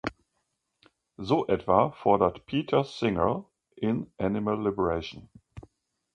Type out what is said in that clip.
So etwa fordert Peter Singer in "Animal Liberation.